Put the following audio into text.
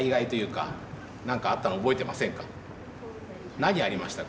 何ありましたか？